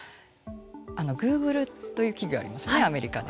グーグルという企業ありますよね、アメリカで。